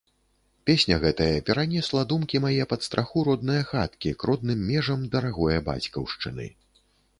Песня гэтая перанесла думкі мае пад страху роднае хаткі, к родным межам дарагое бацькаўшчыны.